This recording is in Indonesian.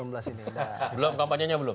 belum kampanyenya belum